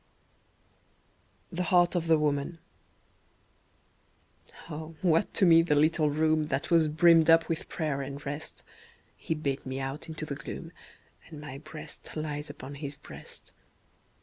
10 THE HEART OF THE WOMAN O WHAT to me the little room That was brimmed up with prayer and rest: He bade me out into the gloom, And my breast lies upon his breast.